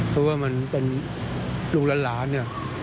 คือว่ามันเป็นลุงละหลาเนี่ย